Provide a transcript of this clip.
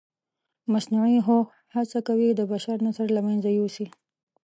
مصنوعي هوښ هڅه کوي د بشر نسل له منځه یوسي.